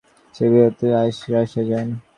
তিনি economic delegate হয়ে Soviet Russia যান।